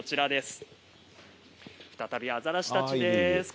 再びアザラシたちです。